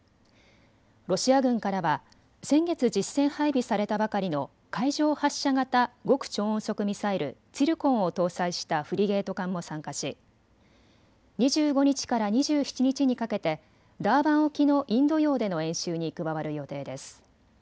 ロシア軍からは先月、実戦配備されたばかりの海上発射型極超音速ミサイル、ツィルコンを搭載したフリゲート艦も参加し２５日から２７日にかけてダーバン沖のインド洋での演習に加わる予定です。